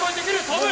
飛ぶ！